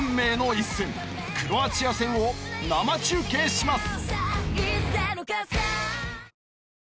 クロアチア戦を生中継します！